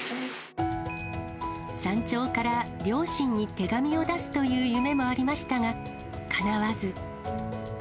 山頂から両親に手紙を出すという夢もありましたがかなわず。